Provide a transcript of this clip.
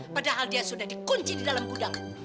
padahal dia sudah dikunci di dalam gudang